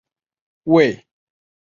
卫玠人。